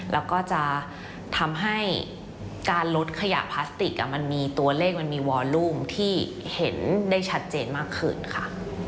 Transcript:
แล้วก็จะทำให้การลดขยะพลาสติกมันมีตัวเลขมันมีวอลลูมที่เห็นได้ชัดเจนมากขึ้นค่ะ